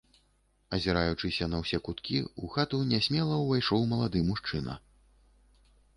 Азіраючыся на ўсе куткі, у хату нясмела ўвайшоў малады мужчына.